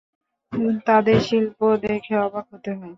তাদের শিল্প দেখে অবাক হতে হয়।